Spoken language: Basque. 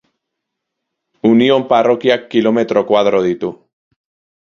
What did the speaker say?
Union parrokiak kilometro koadro ditu.